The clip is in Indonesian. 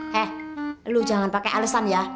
heh lu jangan pake alesan ya